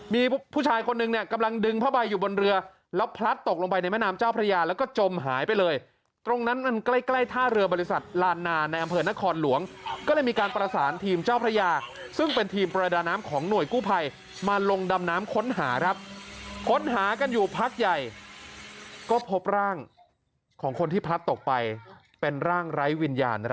มีผู้ชายคนหนึ่งกำลังดึงผ้าใบอยู่บนเรือแล้วพลัดตกลงไปในแม่น้ำเจ้าพระยาแล้วก็จมหายไปเลยตรงนั้นมันใกล้ใกล้ท่าเรือบริษัทลานนาในอำเภอนครหลวงก็เลยมีการประสานทีมเจ้าพระยาซึ่งเป็นทีมประดาน้ำของหน่วยกู้ภัยมาลงดำน้ำค้นหาครับค้นหากันอยู่พักใหญ่ก็พบร่างของคนที่พลัดตกไปเป็นร่างไร้วิญญาณ